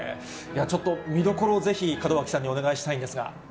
ちょっと見どころ、ぜひ、門脇さんにお願いしたいんですが。